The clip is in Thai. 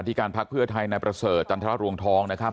ที่การภักดิ์เพื่อไทยในประเสริฐจันทรรวงทองนะครับ